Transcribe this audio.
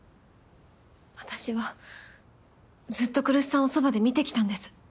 私はずっと来栖さんをそばで見てきたんです。